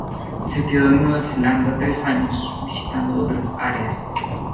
Se quedó en Nueva Zelanda tres años, visitando otras áreas.